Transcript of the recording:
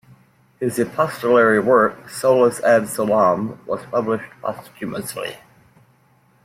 His epistolary work, "Solus ad solam", was published posthumously.